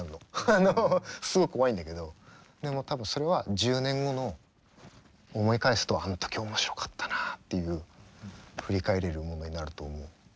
あのすごい怖いんだけどでも多分それは１０年後の思い返すとあの時面白かったなっていう振り返れるものになると思う。